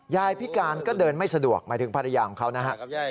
พิการก็เดินไม่สะดวกหมายถึงภรรยาของเขานะฮะ